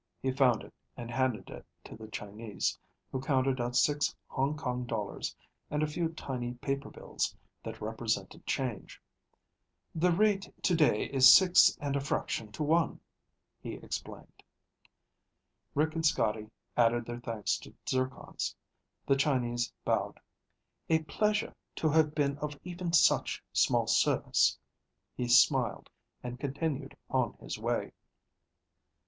He found it and handed it to the Chinese, who counted out six Hong Kong dollars and a few tiny paper bills that represented change. "The rate today is six and a fraction to one," he explained. Rick and Scotty added their thanks to Zircon's. The Chinese bowed. "A pleasure to have been of even such small service." He smiled and continued on his way.